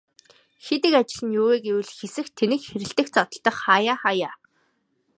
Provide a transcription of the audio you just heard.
Хийдэг ажил нь юу вэ гэвэл хэсэх, тэнэх хэрэлдэх, зодолдох хааяа хааяа.